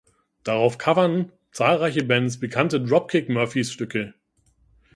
Darauf covern zahlreiche Bands bekannte Dropkick-Murphys-Stücke.